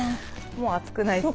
もう暑くないですか？